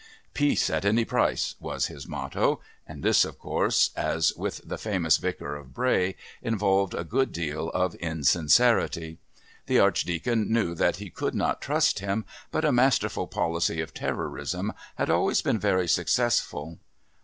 "Peace at any price" was his motto, and this, of course, as with the famous Vicar of Bray, involved a good deal of insincerity. The Archdeacon knew that he could not trust him, but a masterful policy of terrorism had always been very successful.